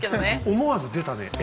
思わず出たね「え」